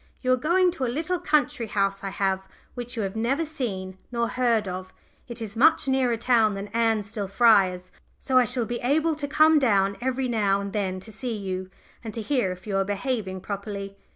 You are going to a little country house I have which you have never seen nor heard of. It is much nearer town than Ansdell Friars, so I shall be able to come down every now and then to see you, and to hear if you are behaving properly.